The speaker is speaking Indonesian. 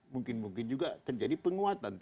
mungkin mungkin juga terjadi penguatan